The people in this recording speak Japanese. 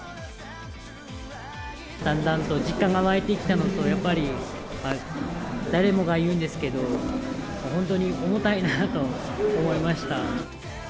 だんだんと実感が湧いてきたのと、やっぱり誰もが言うんですけど、本当に重たいなと思いました。